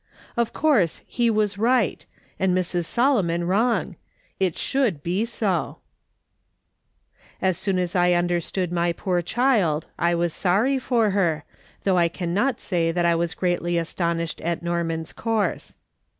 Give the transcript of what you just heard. Of course he was right, and Mrs. Solomon wrong — it should be sol As soon as I understood my poor child I was sorry for her, though I cannot say that I was greatly as tonished at Norman^s course.